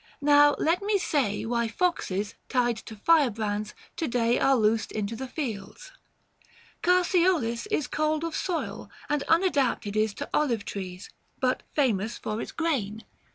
Now let me say Why foxes, tied to firebrands, to day Are loosed into the fields. Carseolis 785 Is cold of soil, and unadapted is To olive trees, but famous for its grain.